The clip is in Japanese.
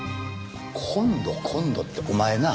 今度今度ってお前な。